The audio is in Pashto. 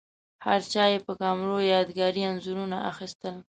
هرچا یې په کمرو یادګاري انځورونه اخیستل.